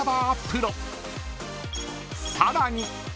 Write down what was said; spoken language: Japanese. ［さらに］